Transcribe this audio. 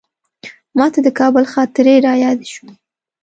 ماته د کابل خاطرې رایادې شوې.